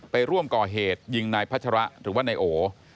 ไปร่วมก่อเหตุยิงนายพัชระหรือว่านายโอ